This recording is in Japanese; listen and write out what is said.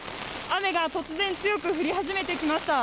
雨が突然強く降り始めてきました。